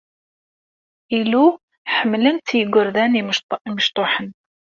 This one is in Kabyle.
Ilu ḥemmlen-t yigerdan imecṭuḥen.